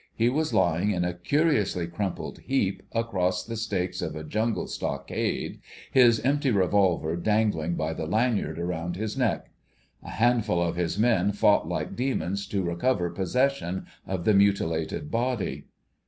He was lying in a curiously crumpled heap across the stakes of a jungle stockade, his empty revolver dangling by the lanyard round his neck. A handful of his men fought like demons to recover possession of the mutilated body.